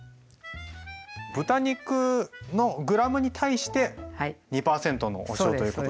豚肉のグラムに対して２％のお塩ということで。